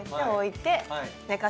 はい。